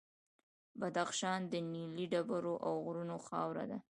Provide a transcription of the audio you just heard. بدخشان د نیلي ډبرو او غرونو خاوره ده.